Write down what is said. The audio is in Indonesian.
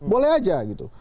boleh aja gitu